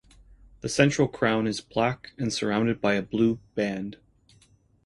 The central crown is black and surrounded by a blue band.